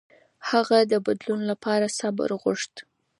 هغه د بدلون لپاره صبر غوښت.